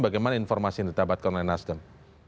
bagaimana informasi yang ditabatkan oleh nasdem